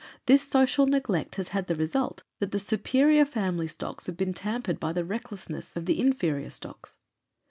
This social neglect has had the result that the superior family stocks have been tampered by the recklessness of the inferior stocks.